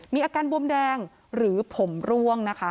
มีอาการบวมแดงหรือผมร่วงนะคะ